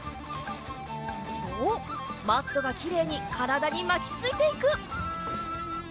おっマットがきれいにからだにまきついていく。